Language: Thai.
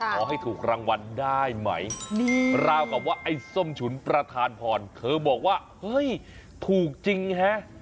ขอให้ถูกรางวัลได้ไหมราวกับว่าไอ้ส้มฉุนประธานพรเธอบอกว่าเฮ้ยถูกจริงฮะ